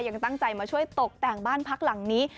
ยังตั้งใจมาช่วยตกแต่งบ้านพักหลังนี้